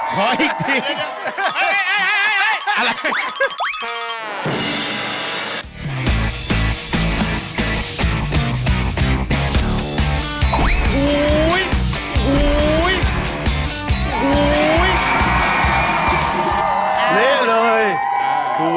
ขออีกทีนะครับเอ๊ะเห้ออะไร